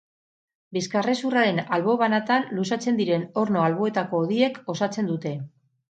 Bizkarrezurraren albo banatan luzatzen diren orno alboetako hodiek osatzen dute.